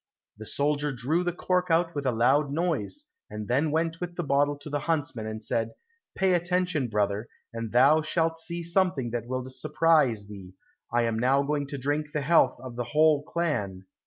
The soldier drew the cork out with a loud noise, and then went with the bottle to the huntsman and said, "Pay attention, brother, and thou shalt see something that will surprise thee; I am now going to drink the health of the whole clan."